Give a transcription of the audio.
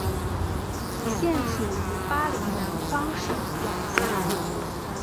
现属于巴林南方省管辖。